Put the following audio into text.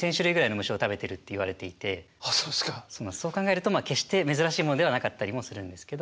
そう考えると決して珍しいものではなかったりもするんですけど。